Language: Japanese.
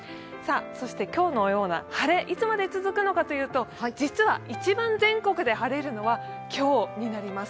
今日のような晴れ、いつまで続くのかというと実は一番、全国で晴れるのは今日になります。